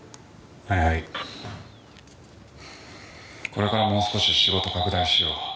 これからもう少し仕事を拡大しよう。